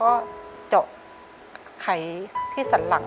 ขอเอ็กซาเรย์แล้วก็เจาะไข่ที่สันหลังค่ะ